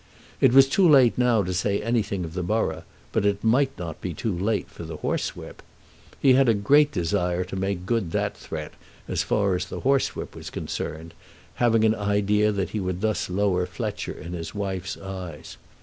It was too late now to say anything of the borough, but it might not be too late for the horsewhip. He had a great desire to make good that threat as far as the horsewhip was concerned, having an idea that he would thus lower Fletcher in his wife's eyes.